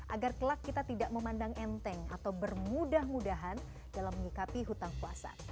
agar kelak kita tidak memandang enteng atau bermudah mudahan dalam menyikapi hutang puasa